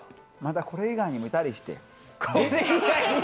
これ以外にもいたりして。